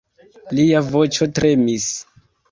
Lia voĉo tremis.